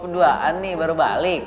berduaan nih baru balik